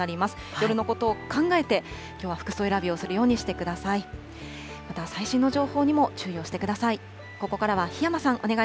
夜のことを考えて、きょうは服装選びをするようにしてください。